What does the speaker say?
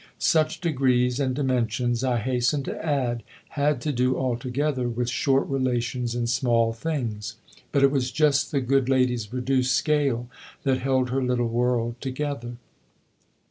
Such degrees and dimensions, I hasten to add, had to do altogether with short THE OTHER HOUSE 105 relations and small things ; but it was just the good lady's reduced scale that held her little world together.